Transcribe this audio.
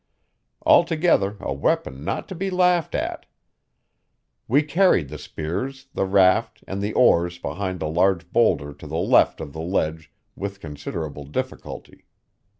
Altogether, a weapon not to be laughed at. We carried the spears, the raft, and the oars behind a large boulder to the left of the ledge with considerable difficulty.